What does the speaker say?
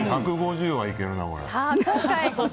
１５０はいけるな、これ。